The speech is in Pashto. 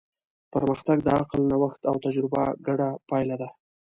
پرمختګ د عقل، نوښت او تجربه ګډه پایله ده.